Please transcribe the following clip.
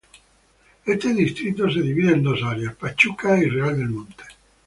Este distrito se divide en dos áreas: Pachuca y Real del Monte.